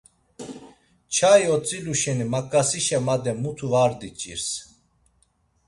Çai otzilu şeni maǩasişe made mutu var diç̌irs.